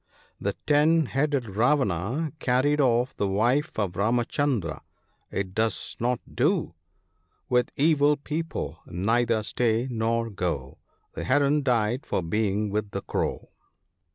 The ten headed Ravana carried off the wife of Ramchundra ( Bl )! It does not do, 1 ' With evil people neither stay nor go ; The Heron died for being with the Crow.